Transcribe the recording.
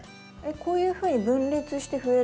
こういうふうに分裂して増える？